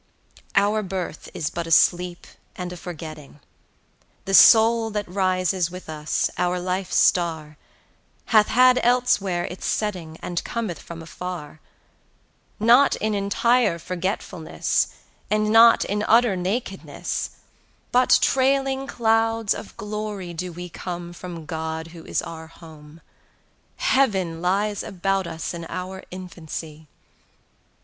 Our birth is but a sleep and a forgetting: The Soul that rises with us, our life's Star, 60 Hath had elsewhere its setting, And cometh from afar: Not in entire forgetfulness, And not in utter nakedness, But trailing clouds of glory do we come 65 From God, who is our home: Heaven lies about us in our infancy!